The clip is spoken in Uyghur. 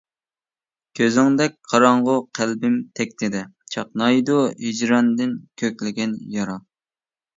كۆزۈڭدەك قاراڭغۇ قەلبىم تەكتىدە، چاقنايدۇ ھىجراندىن كۆكلىگەن يارا.